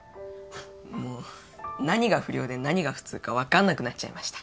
もう何が不良で何が普通か分かんなくなっちゃいました。